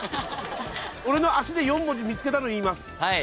俺の足で４文字見つけたの言います。